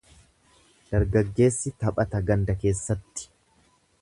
Dargaggeessi taphata ganda keessatti.